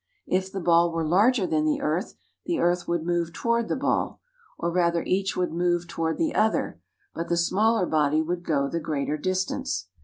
If the ball were larger than the earth, the earth would move toward the ball, or rather each would move toward the other, but the smaller body would go the greater distance.